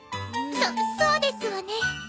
そそうですわね。